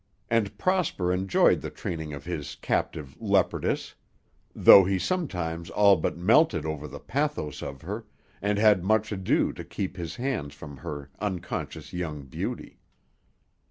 And Prosper enjoyed the training of his captive leopardess, though he sometimes all but melted over the pathos of her and had much ado to keep his hands from her unconscious young beauty.